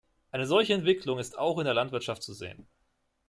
Eine solche Entwicklung ist auch in der Landwirtschaft zu sehen.